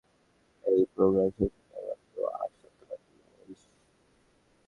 এই প্রোগ্রাম শেষ হতে আর মাত্র আট সপ্তাহ বাকি, মরিসট।